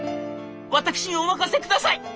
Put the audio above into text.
私にお任せください！